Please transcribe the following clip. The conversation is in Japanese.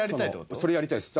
それやりたいです。